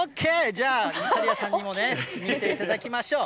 じゃあ、忽滑谷さんにもね、見ていただきましょう。